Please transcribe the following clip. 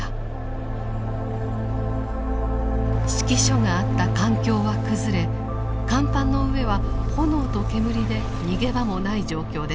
指揮所があった艦橋は崩れ甲板の上は炎と煙で逃げ場もない状況でした。